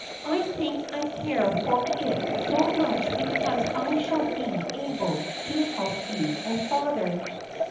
I think I care for it so much because I shall be able to help you and father."